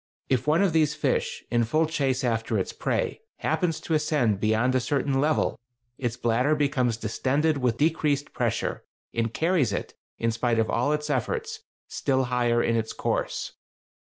If one of these fish, in full chase after its prey, happens to ascend beyond a certain level, its bladder becomes distended with the decreased pressure, and carries it, in spite of all its efforts, still higher in its course.